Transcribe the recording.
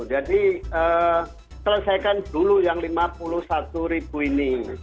jadi selesaikan dulu yang rp lima puluh satu ini